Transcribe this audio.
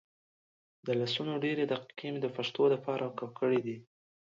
دلسونه ډیري دقیقی مي دپښتو دپاره وقف کړي دي